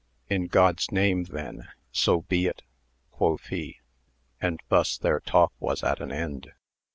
In God^s name then so be it, uoth he, and thus their talk was at an end.